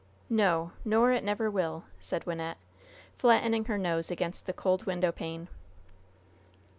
No, nor it never will!" said Wynnette, flattening her nose against the cold window pane.